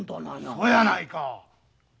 そやないか！